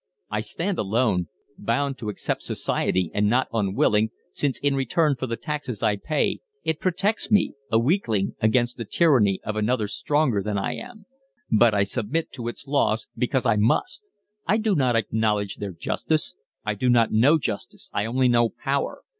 I stand alone, bound to accept society and not unwilling, since in return for the taxes I pay it protects me, a weakling, against the tyranny of another stronger than I am; but I submit to its laws because I must; I do not acknowledge their justice: I do not know justice, I only know power.